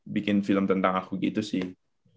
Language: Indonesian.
bikin film tentang aku gitu sih